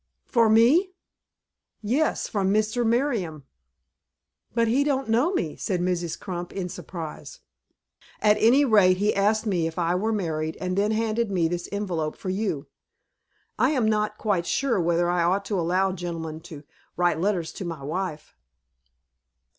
"For me?" "Yes, from Mr. Merriam." "But he don't know me," said Mrs. Crump, in surprise. "At any rate, he asked me if I were married, and then handed me this envelope for you. I am not quite sure whether I ought to allow gentlemen to write letters to my wife."